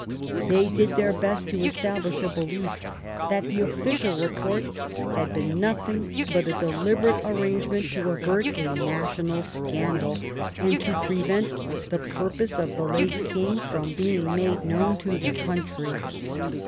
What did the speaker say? They did their best to establish a belief that the official report had been nothing but a deliberate arrangement to avert a national scandal and to prevent the purpose of the late King from being made known to the coun try.